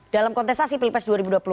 dalam kontestasi pilpres dua ribu dua puluh